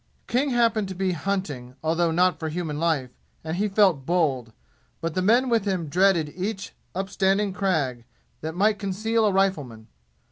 King happened to be hunting, although not for human life, and he felt bold, but the men with him dreaded each upstanding crag, that might conceal a rifleman.